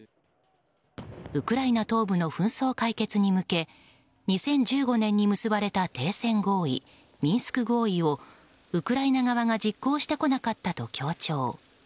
ウクライナ東部の紛争解決に向け２０１５年に結ばれた停戦合意、ミンスク合意をウクライナ側が実行してこなかったと強調。